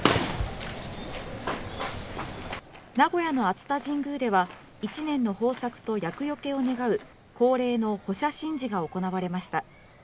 名古屋の熱田神宮では、１年の豊作と厄よけを願う恒例の歩射神事が行われました。